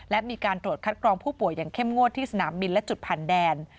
และมีการตรวจคัดกรองผู้ป่วยอย่างเข้มงวดที่สนามบินและจุดผ่านแดน